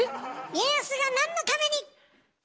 家康がなんのために？